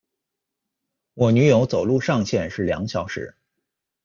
我女友走路上限是两小时